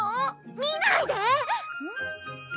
見ないで！